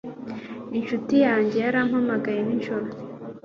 Inshuti yanjye yarampamagaye nijoro.